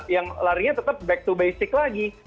yang larinya tetap back to basic lagi